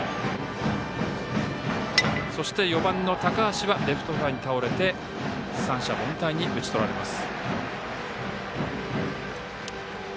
そして、４番の高橋はレフトフライに倒れて三者凡退に打ち取られます。